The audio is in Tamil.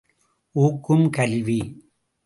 ஊக்கும் கல்வி ….